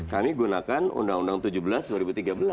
kami gunakan undang undang tujuh belas dua ribu tiga belas